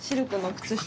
靴下。